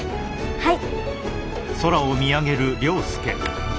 はい！